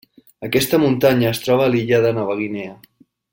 Aquesta muntanya es troba a l’illa de Nova Guinea.